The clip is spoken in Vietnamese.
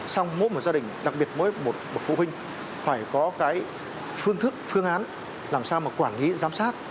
xong mỗi một gia đình đặc biệt mỗi một bậc phụ huynh phải có cái phương thức phương án làm sao mà quản lý giám sát